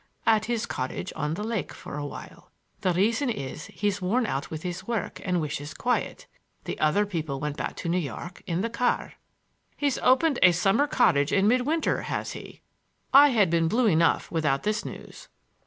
"At his cottage on the lake for a while. The reason is that he's worn out with his work, and wishes quiet. The other people went back to New York in the car." "He's opened a summer cottage in mid winter, has he?" I had been blue enough without this news.